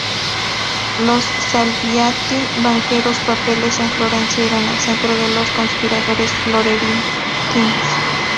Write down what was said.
Los Salviati, banqueros papales en Florencia, eran el centro de los conspiradores florentinos.